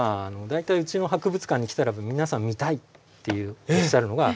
大体うちの博物館に来たら皆さん見たいっておっしゃるのがこれ。